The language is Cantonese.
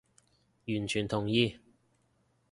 完全同意